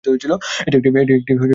এটি একটি ধারাবাহিক চলচ্চিত্র।